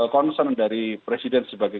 concern dari presiden sebagai